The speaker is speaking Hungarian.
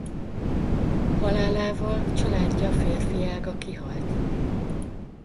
Halálával családja férfiága kihalt.